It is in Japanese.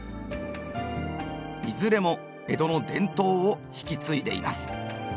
いずれも江戸の伝統を引き継いでいます。